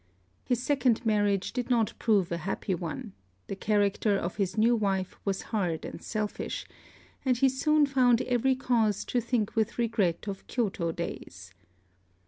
His second marriage did not prove a happy one; the character of his new wife was hard and selfish; and he soon found every cause to think with regret of Kyôto days.